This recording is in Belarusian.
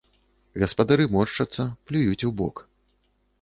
Гаспадары моршчацца, плююць убок.